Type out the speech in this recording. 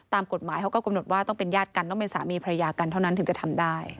ตามกฎหมายเขาก็กำหนดว่าต้องเป็นญาติกันต้องเป็นสามีภรรยากันเท่านั้นถึงจะทำได้